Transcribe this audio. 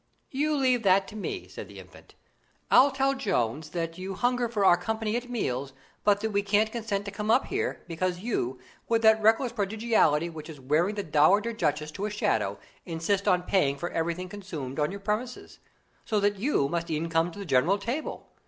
"You leave that to me," said the Infant. "I'll tell Jones that you hunger for our company at meals, but that we can't consent to come up here, because you, with that reckless prodigality which is wearing the dowager duchess to a shadow, insist on paying for everything consumed on your premises, so that you must e'en come to the general table.